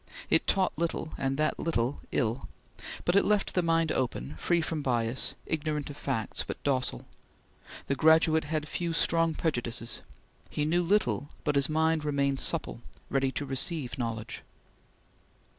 It taught little, and that little ill, but it left the mind open, free from bias, ignorant of facts, but docile. The graduate had few strong prejudices. He knew little, but his mind remained supple, ready to receive knowledge.